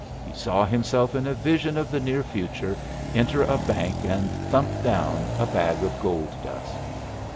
He saw himself in a vision of the near future enter a bank and thump down a bag of gold dust.